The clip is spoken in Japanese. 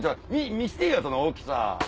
見せてよ大きさ。